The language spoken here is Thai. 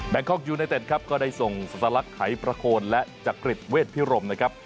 คอกยูไนเต็ดครับก็ได้ส่งสลักไขประโคนและจักริตเวทพิรมนะครับ